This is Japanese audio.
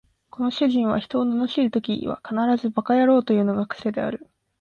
この主人は人を罵るときは必ず馬鹿野郎というのが癖である